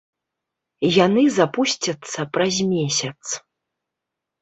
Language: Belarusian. Яны запусцяцца праз месяц.